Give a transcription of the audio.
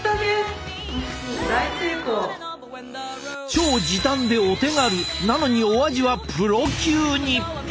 超時短でお手軽！なのにお味はプロ級に。